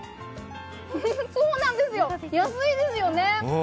そうなんですよ、安いですよね。